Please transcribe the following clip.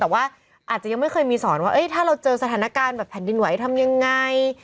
แต่ว่าอาจจะยังไม่เคยมีสอนว่าถ้าเราเจอสถานการณ์แบบแผ่นดินไหวทำยังไง